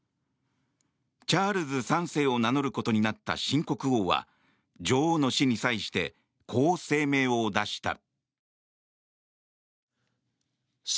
チャールズ３世を名乗ることになった新国王は女王の死に際してこう声明を出した。